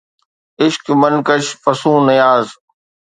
عشق من ڪُش فصون نياز